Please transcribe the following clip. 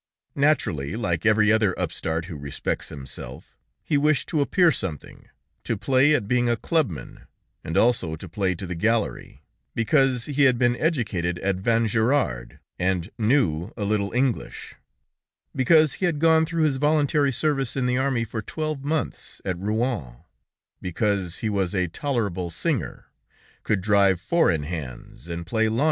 Naturally, like every other upstart who respects himself, he wished to appear something, to play at being a clubman, and also to play to the gallery, because he had been educated at Vangirard and knew a little English; because he had gone through his voluntary service in the army for twelve months at Rouen; because he was a tolerable singer, could drive four in hands, and play lawn tennis.